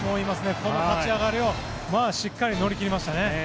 この立ち上がりをしっかり乗り切りましたね。